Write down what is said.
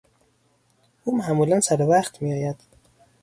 او معمولا سر وقت میآید.